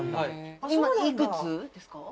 今いくつですか？